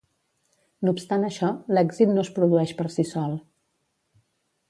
No obstant això, l'èxit no es produeix per si sol.